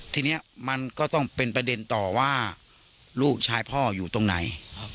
ทีนี้มันก็ต้องเป็นประเด็นต่อว่าลูกชายพ่ออยู่ตรงไหน